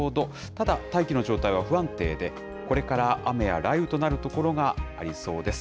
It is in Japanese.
ただ、大気の状態は不安定で、これから雨や雷雨となる所がありそうです。